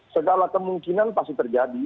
segala kemungkinan pasti terjadi